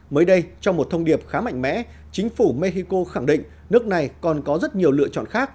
mới đây trong một thông điệp khá mạnh mẽ chính phủ mexico khẳng định nước này còn có rất nhiều lựa chọn khác